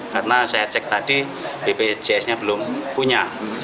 karena saya cek tadi bpjsnya belum punya